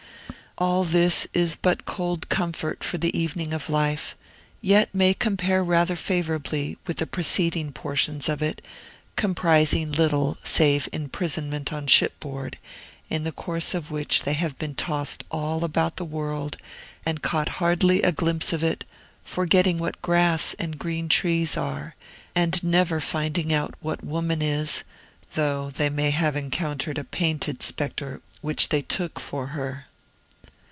All this is but cold comfort for the evening of life, yet may compare rather favorably with the preceding portions of it, comprising little save imprisonment on shipboard, in the course of which they have been tossed all about the world and caught hardly a glimpse of it, forgetting what grass and trees are, and never finding out what woman is, though they may have encountered a painted spectre which they took for her.